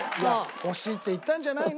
欲しいって言ったんじゃないの？